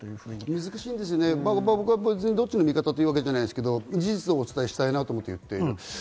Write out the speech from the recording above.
難しいんですよね、どっちの味方というわけじゃないんですけれども事実をお伝えしたいと言っている。